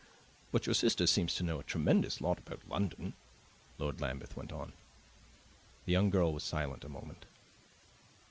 "But your sister seems to know a tremendous lot about London," Lord Lambeth went on. The young girl was silent a moment.